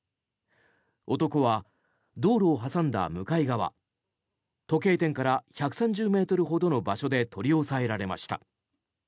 男は道路を挟んだ向かい側時計店から１３０ｍほどの場所で取り押さえられました。